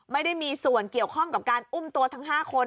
ไม่ได้มีส่วนเกี่ยวข้องกับการอุ้มตัวทั้ง๕คน